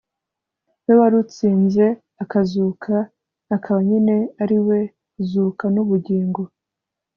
we warutsinze, akazuka, akaba nyine ariwe zuka n'ubugingo